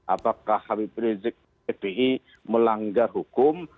apakah hbjk syihab melanggar hukum